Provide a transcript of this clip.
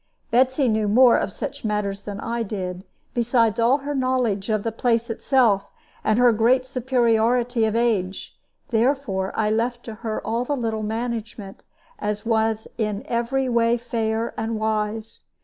Betsy knew more of such matters than I did, besides all her knowledge of the place itself, and her great superiority of age; therefore I left to her all little management, as was in every way fair and wise.